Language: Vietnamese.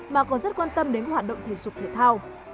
mà còn rất quan tâm đến hoạt động thể dục thể thao